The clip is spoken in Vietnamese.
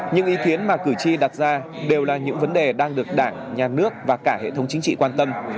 những ý kiến mà cử tri đặt ra đều là những vấn đề đang được đảng nhà nước và cả hệ thống chính trị quan tâm